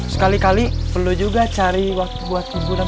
sekali kali perlu juga cari waktu buat hiburan